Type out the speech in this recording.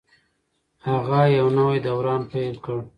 هغه یو نوی دوران پیل کړ.